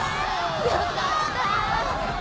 よかった！